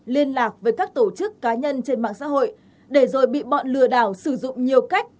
liên lạc với các tổ chức cá nhân trên mạng xã hội để rồi bị bọn lừa đảo sử dụng nhiều cách